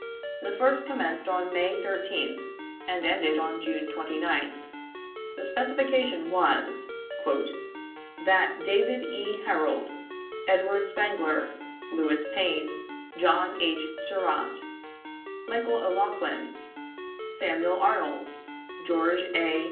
The first commenced on May 13th, and ended on June 29th. The specification was "That David E. Harold, Edward Spangler, Lewis Payne, John H. Surratt, Michael O'Loughlin, Samuel Arnold, George A.